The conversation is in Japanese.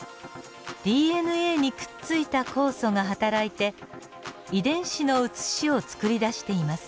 ＤＮＡにくっついた酵素が働いて遺伝子の写しを作り出しています。